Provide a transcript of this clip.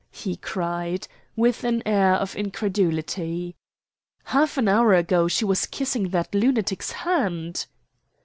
he cried, with an air of incredulity. "Half an hour ago she was kissing that lunatic's hand."